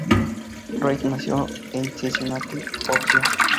Reid nació en Cincinnati, Ohio.